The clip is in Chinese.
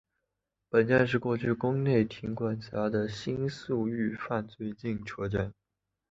本站是过去宫内厅管辖的新宿御苑最近车站。